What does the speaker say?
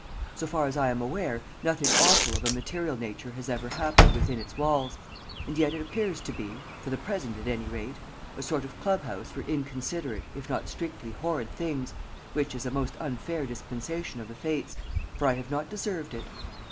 So far as I am aware, nothing awful of a material nature has ever happened within its walls, and yet it appears to be, for the present at any rate, a sort of club house for inconsiderate if not strictly horrid things, which is a most unfair dispensation of the fates, for I have not deserved it.